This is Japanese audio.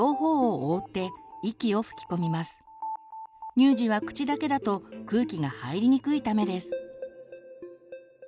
乳児は口だけだと空気が入りにくいためです。